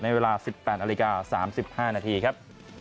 เวลา๑๘นาฬิกา๓๕นาทีครับ